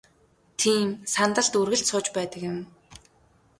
Тийм сандалд үргэлж сууж байдаг юм.